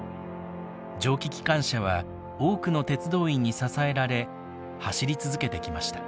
蒸気機関車は多くの鉄道員に支えられ走り続けてきました。